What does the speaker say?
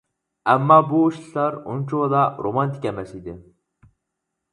ئەمما بۇ ئىشلار ئۇنچىۋالا رومانتىك ئەمەس ئىدى.